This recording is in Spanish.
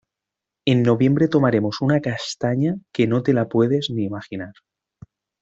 En noviembre tomaremos una castaña que no te la puedes ni imaginar.